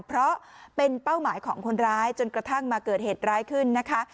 เพราะเป็นเป้าหมายของคนร้ายจนกระทั่งมาเกิดเหตุร้ายขึ้นนะคะ